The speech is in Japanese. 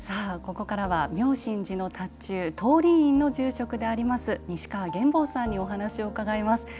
ここからは、妙心寺の塔頭東林院の住職であります西川玄房さんにお話を伺います。